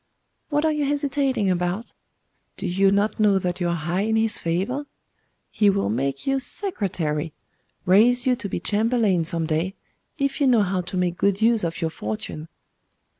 What are you hesitating about? Do you not know that you are high in his favour? He will make you secretary raise you to be chamberlain some day, if you know how to make good use of your fortune.